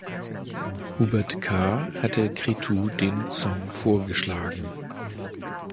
Hubert Kah hatte Cretu den Song vorgeschlagen.